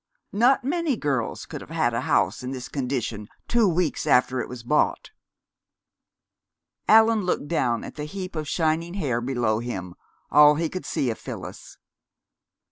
Not many girls could have had a house in this condition two weeks after it was bought." Allan looked down at the heap of shining hair below him, all he could see of Phyllis.